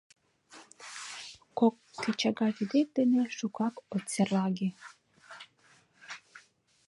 Кок кӧчага вӱдет дене шукак от серлаге.